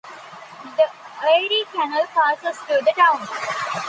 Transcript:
The Erie Canal passes through the town.